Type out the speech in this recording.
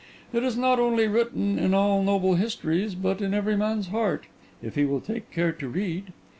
It is not only written in all noble histories, but in every man's heart, if he will take care to read.